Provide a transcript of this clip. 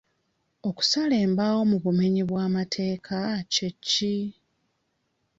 Okusala embaawo mu bumenyi bw'amateeka kye ki?